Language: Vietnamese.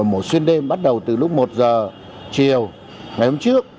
mổ xuyên đêm bắt đầu từ lúc một giờ chiều ngày hôm trước